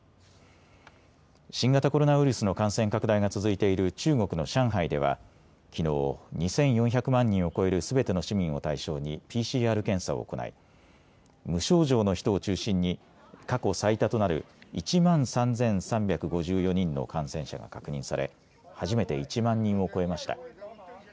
新型コロナウイルスの感染拡大が続いている中国の上海ではきのう２４００万人を超えるすべての市民を対象にＰＣＲ検査を行い無症状の人を中心に過去最多となる１万３３５４人の感染者が確認され初めて１万人を超えました。